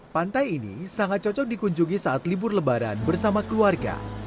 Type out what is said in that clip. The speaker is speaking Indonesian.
pantai ini sangat cocok dikunjungi saat libur lebaran bersama keluarga